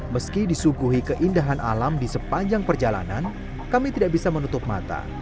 meski disuguhi keindahan alam di sepanjang perjalanan kami tidak bisa menutup mata